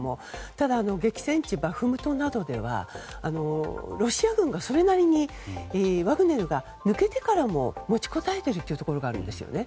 ただ、激戦地バフムトなどではロシア軍がそれなりにワグネルが抜けてからも持ちこたえているというところがあるんですよね。